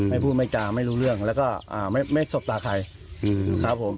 ไม่พูดไม่จาไม่รู้เรื่องแล้วก็ไม่สบตาใครครับผม